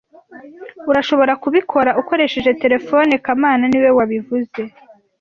Urashobora kubikora ukoresheje terefone kamana niwe wabivuze